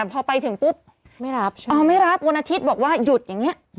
พอไปถึงปุ๊บไม่รับวงอาทิตย์บอกว่าหยุดอย่างนี้